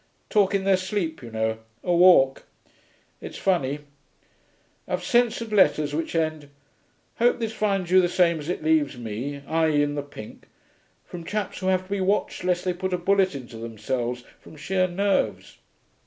'Talk in their sleep, you know, or walk.... It's funny.... I've censored letters which end "Hope this finds you the same as it leaves me, i.e. in the pink," from chaps who have to be watched lest they put a bullet into themselves from sheer nerves.